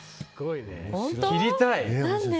切りたい。